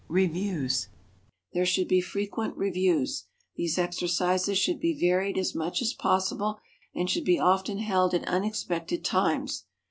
Reviews. There should be frequent reviews. These exercises should be varied as much as possible and should be often held at unexpected times.